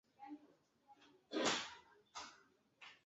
各学院亦附设各类科学研究中心。